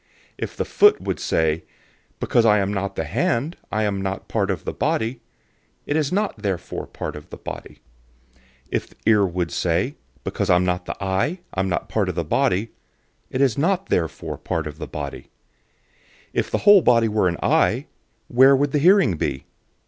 012:015 If the foot would say, "Because I'm not the hand, I'm not part of the body," it is not therefore not part of the body. 012:016 If the ear would say, "Because I'm not the eye, I'm not part of the body," it's not therefore not part of the body. 012:017 If the whole body were an eye, where would the hearing be?